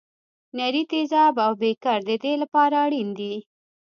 نري تیزاب او بیکر د دې لپاره اړین دي.